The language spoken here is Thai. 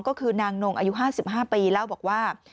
ก็คือนางนงอายุ๕๕ปีเล่าบอกว่า